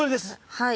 はい。